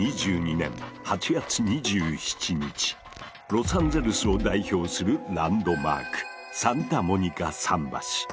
ロサンゼルスを代表するランドマークサンタモニカ桟橋。